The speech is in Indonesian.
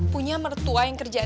punya mertua yang kerjaan